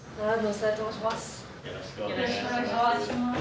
よろしくお願いします。